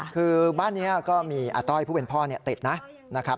คือบ้านนี้ก็มีอาต้อยผู้เป็นพ่อติดนะครับ